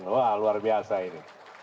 wah luar biasa ini